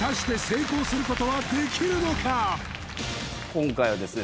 今回はですね